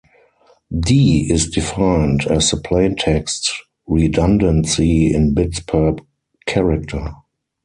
"D" is defined as the plaintext redundancy in bits per character.